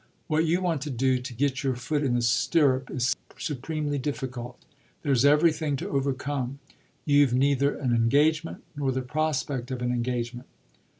What you want to do to get your foot in the stirrup is supremely difficult. There's everything to overcome. You've neither an engagement nor the prospect of an engagement."